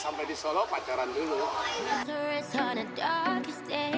sampai di solo pacaran dulu